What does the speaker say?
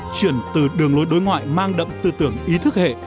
chuyển từ đường lối đối ngoại mang đậm tư tưởng ý thức hệ